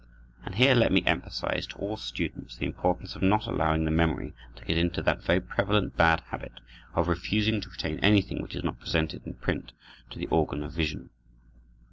And here let me emphasize to all students the importance of not allowing the memory to get into that very prevalent bad habit of refusing to retain anything which is not presented in print to the organ of vision.